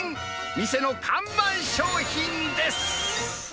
店の看板商品です。